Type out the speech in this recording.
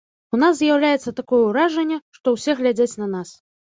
У нас з'яўляецца такое ўражанне, што ўсе глядзяць на нас.